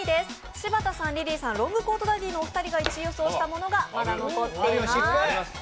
柴田さん、リリーさん、ロングコートダディのお二人が１位予想したものがまだ残っています。